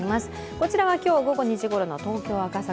こちらは今日午後２時ごろの東京・赤坂。